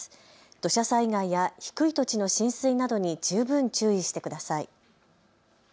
土砂災害や低い土地の浸水などに十分注意してください。